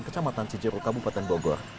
kecamatan cijeru kabupaten bogor